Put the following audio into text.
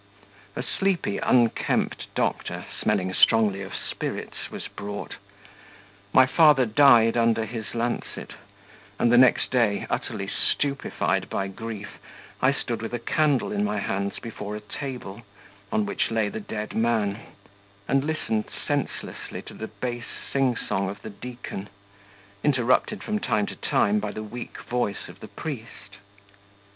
A sleepy, unkempt doctor, smelling strongly of spirits, was brought. My father died under his lancet, and the next day, utterly stupefied by grief, I stood with a candle in my hands before a table, on which lay the dead man, and listened senselessly to the bass sing song of the deacon, interrupted from time to time by the weak voice of the priest.